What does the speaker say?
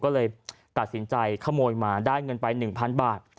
ก็เลยตัดสินใจขโมยมาได้เงินไป๑๐๐บาท